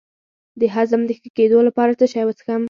د هضم د ښه کیدو لپاره څه شی وڅښم؟